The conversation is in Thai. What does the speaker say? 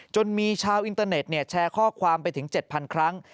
จนมีชาวอินเตอร์เน็ตแชร์ข้อความไปถึง๗๐๐ครั้ง